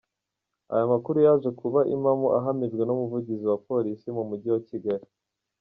Aya makuru yaje kuba impamo ahamijwe n’umuvugizi wa Polisi mu mujyi wa Kigali.